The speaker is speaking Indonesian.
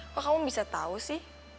kok kamu bisa tau sih